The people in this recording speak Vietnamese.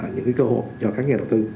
những cơ hội cho các nhà đầu tư